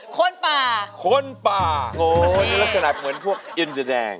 คนป่าควรลักษณะเหมือนพวกอินเดียแดง